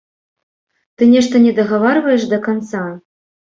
Ты нешта не дагаварваеш да канца?